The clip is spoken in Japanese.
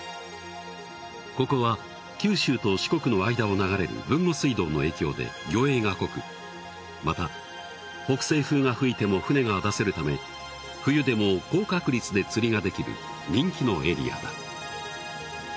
ここは九州と四国の間を流れる豊後水道の影響で魚影が濃くまた北西風が吹いても船が出せるため冬でも高確率で釣りができる人気のエリアだ